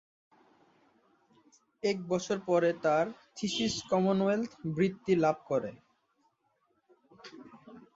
এক বছর পরে তার থিসিস কমনওয়েলথ বৃত্তি লাভ করে।